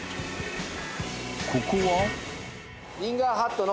ここは？